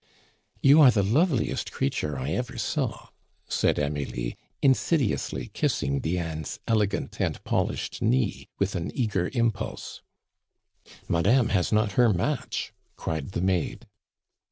"You are the loveliest creature I ever saw!" said Amelie, insidiously kissing Diane's elegant and polished knee with an eager impulse. "Madame has not her match!" cried the maid.